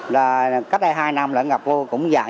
vào ngân hàng này ngập lụt từ ba giờ sáng